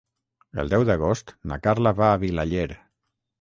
El deu d'agost na Carla va a Vilaller.